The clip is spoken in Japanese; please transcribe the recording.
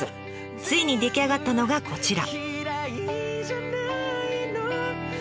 ついに出来上がったのがこちら。